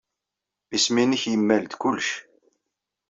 Isem-nnek yemmal-d kullec.